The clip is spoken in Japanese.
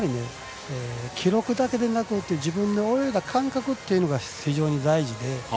記録だけじゃなくて自分の泳いだ感覚というのが非常に大事で。